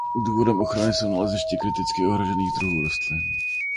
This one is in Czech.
Důvodem ochrany jsou naleziště kriticky ohrožených druhů rostlin.